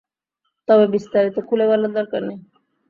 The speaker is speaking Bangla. তবে বিস্তারিত খুলে বলার দরকার নেই!